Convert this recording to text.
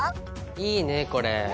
いいねこれ。